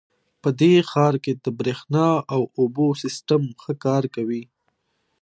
په دې ښار کې د بریښنا او اوبو سیسټم ښه کار کوي